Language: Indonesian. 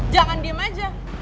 jangan diem aja